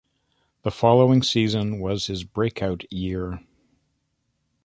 The following season was his breakout year.